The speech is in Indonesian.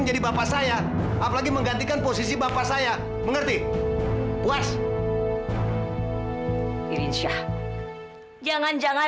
menjadi bapak saya apalagi menggantikan posisi bapak saya mengerti west indonesia jangan jangan